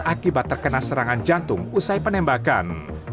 akibat terkena serangan jantung usai penembakan